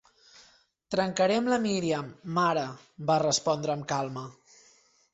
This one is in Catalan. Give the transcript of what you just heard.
"Trencaré amb la Míriam, mare", va respondre amb calma.